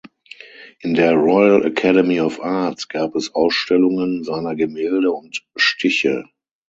In der Royal Academy of Arts gab es Ausstellungen seiner Gemälde und Stiche.